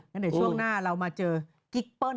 และในช่วงหน้าเรามาเจอกิ๊กเปิ้ล